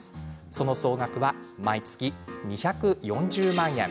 その総額は毎月２４０万円。